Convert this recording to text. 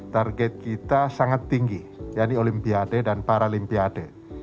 target kita sangat tinggi yaitu olimpiade dan paralimpiade